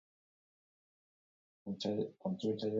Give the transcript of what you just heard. Halakoetan ohi denez, azken egunotan izen-emate zaparrada espero dute.